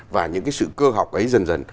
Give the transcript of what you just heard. và những cái sự cơ học ấy dần dần